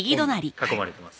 囲まれてます